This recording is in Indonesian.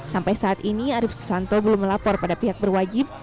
sampai saat ini arief susanto belum melapor pada pihak berwajib